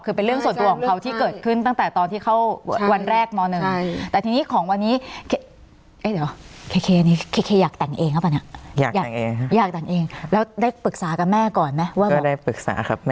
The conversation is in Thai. คือเป็นเรื่องส่วนตัวของเขาที่เกิดขึ้นตั้งแต่ตอนที่เข้าวันแรกม๑